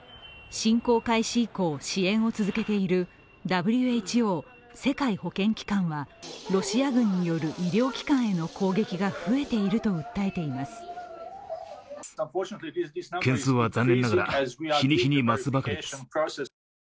侵攻開始以降、支援を続けているＷＨＯ＝世界保健機関はロシア軍による医療機関への攻撃が増えていると訴えています。